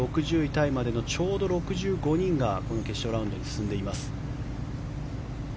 タイまでのちょうど６５人がこの決勝ラウンドに進んでいます。